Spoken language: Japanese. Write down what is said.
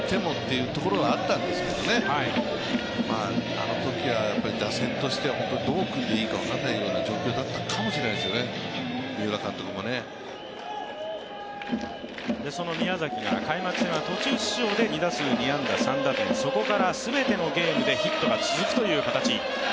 あのときは打線として本当にどう組んでいいか分からないような状況だったかもしれないですね三浦監督もね。その宮崎は途中出場で２打数２安打３打点、そこから全てのゲームでヒットが続くという形。